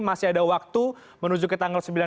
masih ada waktu menuju ke tanggal